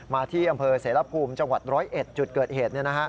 ที่อำเภอเสรภูมิจังหวัด๑๐๑จุดเกิดเหตุ